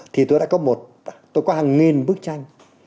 thì tôi đã có một tôi có hàng nghìn bức tranh